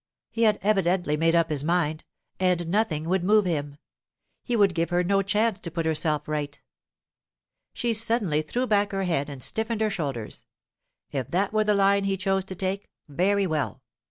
He had evidently made up his mind, and nothing would move him; he would give her no chance to put herself right. She suddenly threw back her head and stiffened her shoulders. If that were the line he chose to take—very well!